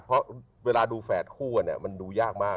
เพราะเวลาดูแฝดคู่มันดูยากมาก